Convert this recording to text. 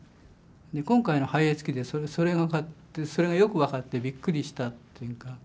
今回の「拝謁記」でそれがよく分かってびっくりしたというか。